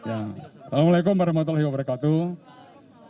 assalamu'alaikum warahmatullahi wabarakatuh